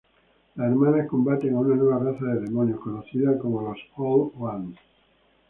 Las hermanas combaten a una nueva raza de demonios, conocida como Los Old Ones.